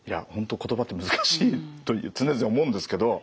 言葉って難しいと常々思うんですけど。